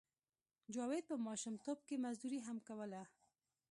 جاوید په ماشومتوب کې مزدوري هم کوله